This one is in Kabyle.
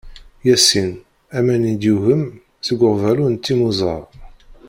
Yasin, aman i d-yugem, seg uɣbalu n timuzɣa.